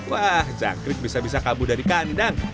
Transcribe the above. wah jangkrik bisa bisa kabur dari kandang